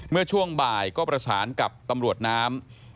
เมื่อช่วงบ่ายก็ประสานกับตำรวจน้ำ